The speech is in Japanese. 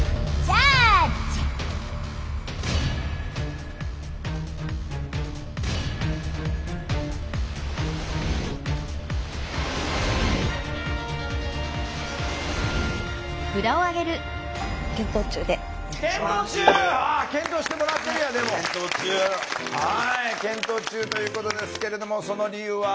はい検討中ということですけれどもその理由は？